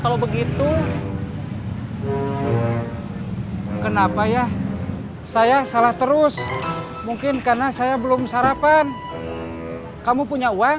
kalau begitu kenapa ya saya salah terus mungkin karena saya belum sarapan kamu punya uang